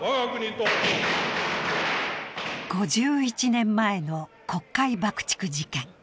５１年前の国会爆竹事件。